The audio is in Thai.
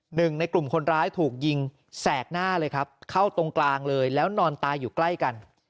หนึ่งในกลุ่มคนร้ายถูกยิงแสกหน้าเลยครับเข้าตรงกลางเลยแล้วนอนตายอยู่ใกล้กัน